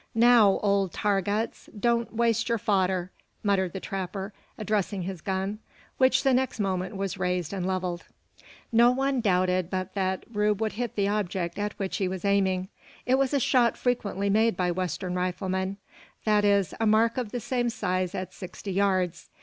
"Now, old Tar guts, don't waste your fodder!" muttered the trapper, addressing his gun, which the next moment was raised and levelled. No one doubted but that Rube would hit the object at which he was aiming. It was a shot frequently made by western riflemen; that is, a mark of the same size at sixty yards.